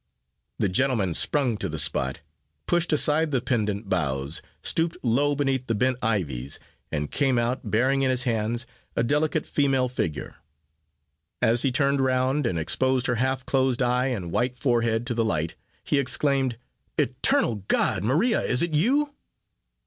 The gentleman sprung to the spot, pushed aside the pendant boughs, stooped low beneath the bent ivies, and came out, bearing in his hands a delicate female figure. As he turned round, and exposed her half closed eye and white forehead to the light, he exclaimed, "Eternal God! Maria, is it you?"